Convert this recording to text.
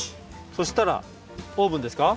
そうしたらオーブンですか？